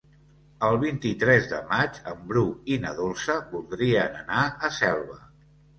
El vint-i-tres de maig en Bru i na Dolça voldrien anar a Selva.